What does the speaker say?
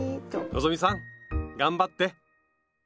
希さん頑張って！